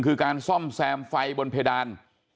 คือการซ่อมแซมไฟบนเพดาน